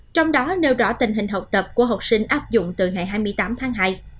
trong đó nêu rõ tình hình học tập của học sinh áp dụng từ ngày hai mươi tám tháng hai